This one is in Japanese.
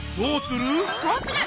どうする？